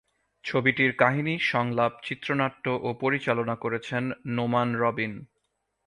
ছবিটির কাহিনী, সংলাপ, চিত্রনাট্য ও পরিচালনা করেছেন নোমান রবিন।